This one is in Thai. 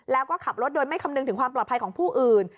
แล้วก็ขับรถโดยไม่คำนึงถึงความปลอดภัยของผู้อื่น